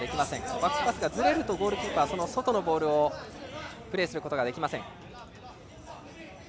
バックパスがずれるとゴールキーパーは外のエリアでプレーすることができません。